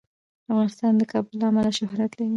افغانستان د کابل له امله شهرت لري.